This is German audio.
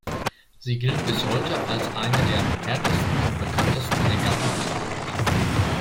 Sie gilt bis heute als eine der härtesten und bekanntesten Regatten überhaupt.